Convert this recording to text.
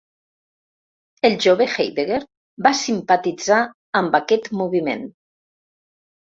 El jove Heidegger va simpatitzar amb aquest moviment.